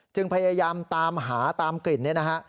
จึงพยายามตามหาตามกลิ่นเนี่ยนะฮะ